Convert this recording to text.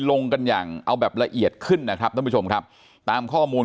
ลงกันอย่างเอาแบบละเอียดขึ้นนะครับท่านผู้ชมครับตามข้อมูล